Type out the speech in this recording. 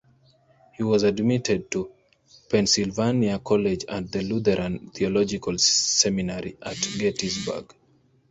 He was admitted to Pennsylvania College and the Lutheran Theological Seminary at Gettysburg.